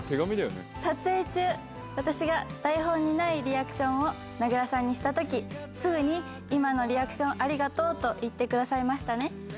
撮影中、私が台本にないリアクションを名倉さんにしたとき、すぐに今のリアクション、ありがとうと言ってくださいましたね。